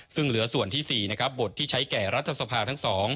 ซึ่งเหลือส่วนที่๔นะครับบทที่ใช้แก่รัฐสภาทั้ง๒